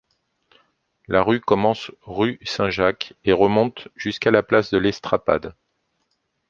La rue commence rue Saint-Jacques et remonte jusqu'à la place de l'Estrapade.